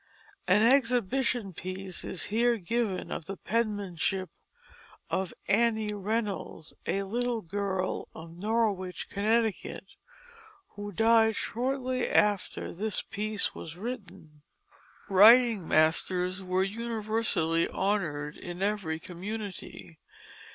'" An "exhibition piece" is here given of the penmanship of Anne Reynolds, a little girl of Norwich, Connecticut, who died shortly after this "piece" was written. Writing masters were universally honored in every community.